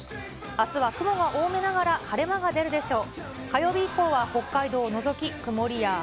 あすは雲が多めながら、晴れ間が出るでしょう。